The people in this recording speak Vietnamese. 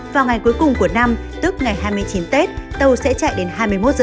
vào ngày cuối cùng của năm tức ngày hai mươi chín tết tàu sẽ chạy đến hai mươi một h